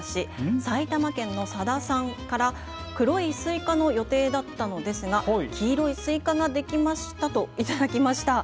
埼玉県のさださんから黒いスイカの予定だったのですが黄色いスイカができましたと頂きました。